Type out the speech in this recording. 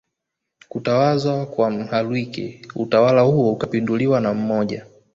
kutawazwa kwa Mhalwike utawala huo ukapinduliwa na mmoja